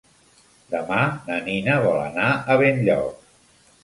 Demà na Nina vol anar a Benlloc.